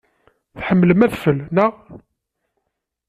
Tḥemmlem adfel, naɣ?